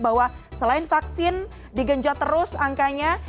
bahwa selain vaksin digenjot terus angkanya